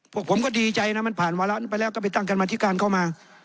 ผมก็ดีใจนะมันผ่านวาระไปแล้วก็ไปตั้งกรรมธิการเข้ามา